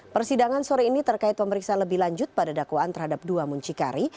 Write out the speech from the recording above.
persidangan sore ini terkait pemeriksaan lebih lanjut pada dakwaan terhadap dua muncikari